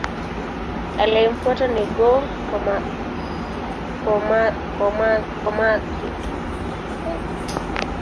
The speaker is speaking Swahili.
Aliyemfuata ni Go-Komatsu.